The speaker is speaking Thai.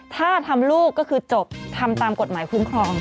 ถ้าทำลูกก็คือจบทำตามกฎหมายคุ้มครอง